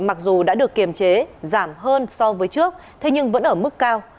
mặc dù đã được kiềm chế giảm hơn so với trước thế nhưng vẫn ở mức cao